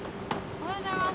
おはようございます。